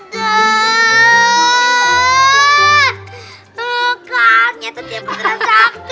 tuh kanya tuh dia pada sakit ya